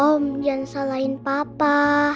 om jangan salahin papa